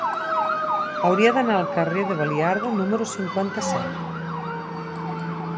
Hauria d'anar al carrer de Baliarda número cinquanta-set.